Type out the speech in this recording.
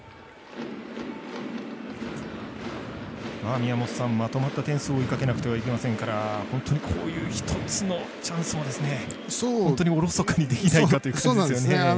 宮本さん、まとまった点数を追いかけないといけませんから本当にこういう一つのチャンスも本当に、おろそかにできないという感じですね。